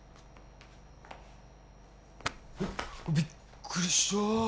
えっびっくりした。